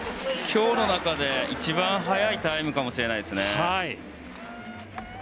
今日の中で一番早いタイムかもしれないですね。